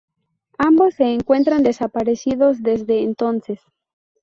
Ambos se encuentran desaparecidos desde entonces.